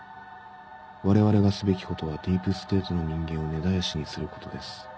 我々がすべきことはディープステートの人間を根絶やしにすることです。